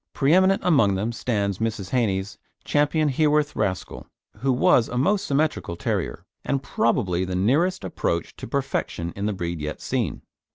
Preeminent among them stands Mrs. Hannay's Ch. Heworth Rascal, who was a most symmetrical terrier, and probably the nearest approach to perfection in the breed yet seen.